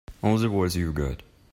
All the words you've got.